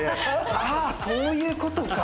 あそういうことか。